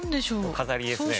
飾りですね。